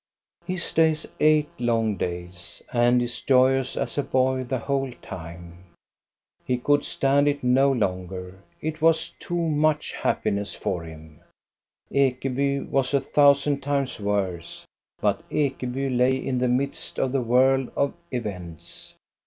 He stays eight long days, and is joyous as a boy the whole time. He could stand it no longer, it was too much happiness for him. Ekeby was a thousand times worse, but Ekeby lay in the midst of the whirl of events.